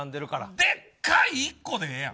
でっかい１個でええやろ。